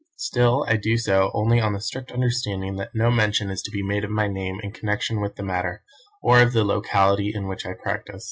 Still I do so only on the strict understanding that no mention is to be made of my name in connexion with the matter, or of the locality in which I practise.